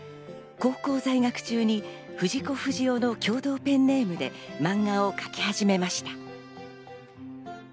高校在学中に藤子不二雄の共同ペンネームで漫画を描き始めました。